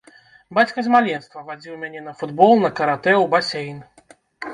Бацька з маленства вадзіў мяне на футбол, на каратэ, у басейн.